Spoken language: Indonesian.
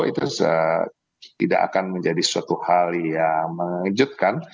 itu tidak akan menjadi suatu hal yang mengejutkan